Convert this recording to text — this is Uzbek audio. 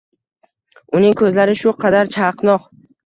Uning ko’zlari shu qadar chaqnoq